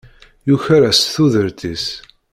Yuker-as tudert-is.